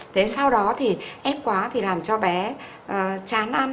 thế sau đó thì ép quá thì làm cho bé chán ăn